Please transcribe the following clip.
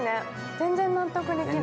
全然納得できる。